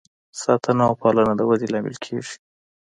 ساتنه او پالنه د ودې لامل کیږي.